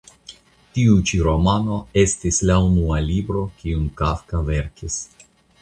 Tiu ĉi romano estis la unua libro kiun Kafka verkis.